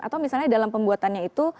atau misalnya dalam pembuatannya itu